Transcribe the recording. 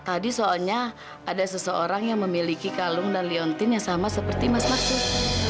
tadi soalnya ada seseorang yang memiliki kalung dan leontin yang sama seperti mas maksud